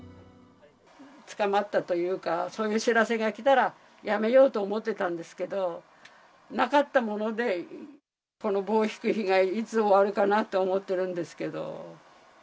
捕まったというか、そういう知らせがきたら、やめようと思っていたんですけど、なかったもので、この棒ひく日がいつ終わるかなと思ってるんですけど。